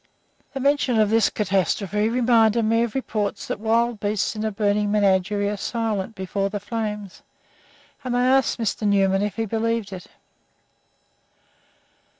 The mention of this catastrophe reminded me of reports that wild beasts in a burning menagerie are silent before the flames, and I asked Mr. Newman if he believed it.